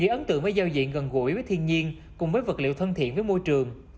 ghi ấn tượng với giao diện gần gũi với thiên nhiên cùng với vật liệu thân thiện với môi trường